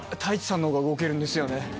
太一さんのほうが動けるんですよね。